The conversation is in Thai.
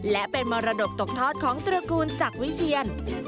และเป็นมรดกตกทอดของตระกูลจักรวิเชียน